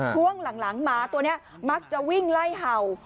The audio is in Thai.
ช่วงหลังหมาตัวนี้มักจะวิ่งไล่เห่า